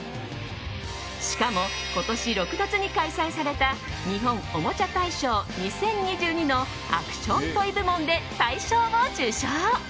しかも、今年６月に開催された日本おもちゃ大賞２０２２のアクション・トイ部門で大賞を受賞。